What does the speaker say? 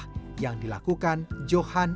maka menanam dan berkebun durian lokal bukan pilihan tepat